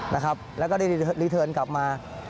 แล้วก็ได้รีเทิร์นกลับมา